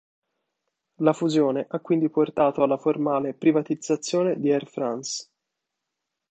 La fusione ha quindi portato alla formale privatizzazione di Air France.